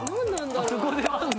あそこで割るの？